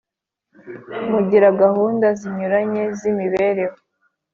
Murigahunda zinyuranye zimibereho